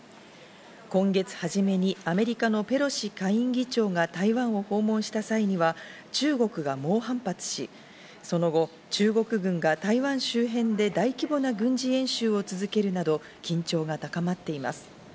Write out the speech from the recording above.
今月初めにアメリカのペロシ下院議長が台湾を訪問した際には、中国が猛反発し、その後、中国軍が台湾周辺で大規模な軍事演習を続けるなど、緊張が高まっています。